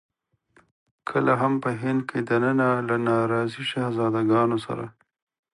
کله هم په هند کې دننه له ناراضي شهزاده ګانو سره.